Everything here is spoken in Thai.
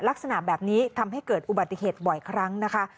ลักษณะแบบนี้ทำให้เกิดอุบัติเหตุบ่อยครั้งนะคะ